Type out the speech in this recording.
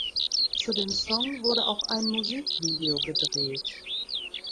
Zu dem Song wurde auch ein Musikvideo gedreht.